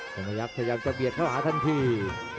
สมยักษ์พยายามจะเบียดเข้าหาทันที